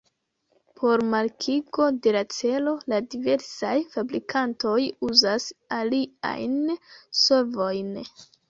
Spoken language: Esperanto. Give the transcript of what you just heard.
Por markigo de la celo la diversaj fabrikantoj uzas aliajn solvojn.